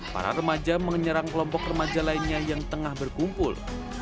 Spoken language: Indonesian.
para remaja menyerang kelompok remaja lainnya yang tengah berkumpul